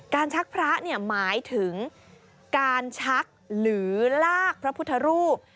ชักพระหมายถึงการชักหรือลากพระพุทธรูป